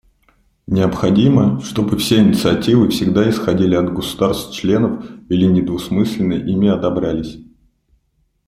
Необходимо, чтобы все инициативы всегда исходили от государств-членов или недвусмысленно ими одобрялись.